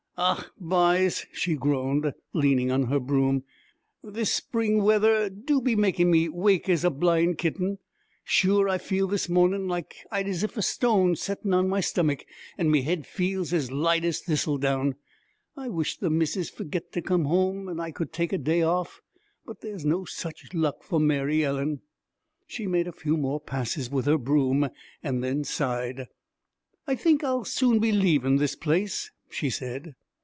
'Och, byes!' she groaned, leaning on her broom. 'This spring weather do be makin' me as wake as a blind kitten! Sure, I feel this mornin' like as if I'd a stone settin' on my stomach, an' me head feels as light as thistledown. I wisht the missus'd fergit to come home an' I could take a day off but there's no such luck for Mary Ellen!' She made a few more passes with her broom and then sighed. 'I think I'll soon be leavin' this place,' she said.